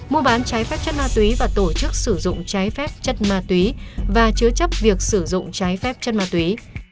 mua bán trái phép chất ma túy và tổ chức sử dụng trái phép chất ma túy và chứa chấp việc sử dụng trái phép chất ma túy